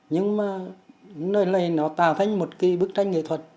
nhưng mà nơi này nó tạo thành một cái bức tranh nghệ thuật